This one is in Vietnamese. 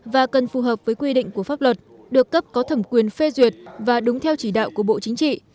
và cần phù hợp với quy định của pháp luật được cấp có thẩm quyền phê duyệt và đúng theo chỉ đạo của bộ chính trị